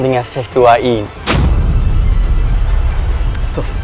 menyakiti yang blackpink kok macam plastik ini